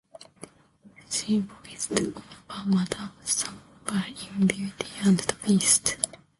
She voiced over Madame Samovar in "Beauty and the Beast".